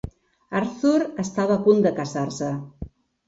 Arthur estava a punt de casar-se.